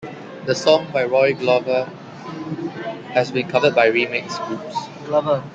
The song, by Roy Glover, has been covered by remix groups.